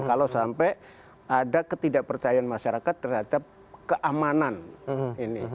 kalau sampai ada ketidakpercayaan masyarakat terhadap keamanan ini